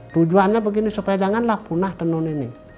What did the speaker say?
tujuannya begini supaya janganlah punah tenun ini